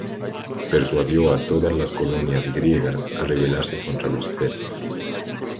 Persuadió a todas las colonias griegas a rebelarse contra los persas.